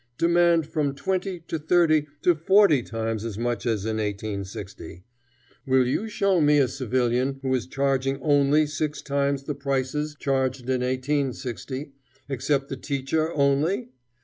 demand from twenty, to thirty, to forty times as much as in 1860. Will you show me a civilian who is charging only six times the prices charged in 1860, except the teacher only?